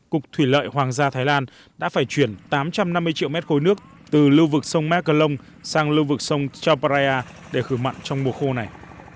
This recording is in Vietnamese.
cục thủy lợi hoàng gia thái lan đã phải chuyển tám trăm năm mươi triệu mét khối nước từ lưu vực sông mecalong sang lưu vực sông chaparaya để khử mặn trong mùa khô này